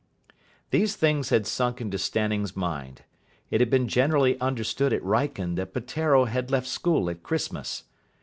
These things had sunk into Stanning's mind. It had been generally understood at Wrykyn that Peteiro had left school at Christmas.